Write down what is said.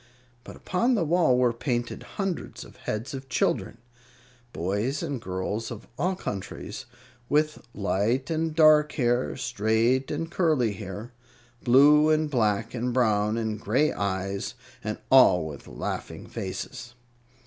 But upon the wall were painted hundreds of heads of children boys and girls of all countries, with light and dark hair, straight and curly hair, blue and black and brown and gray eyes, and all with laughing faces.